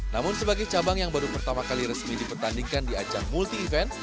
namun sebagai cabang yang baru pertama kali resmi dipertandingkan di ajang multi event